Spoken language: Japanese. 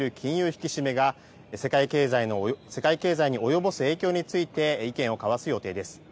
引き締めが世界経済に及ぼす影響について意見を交わす予定です。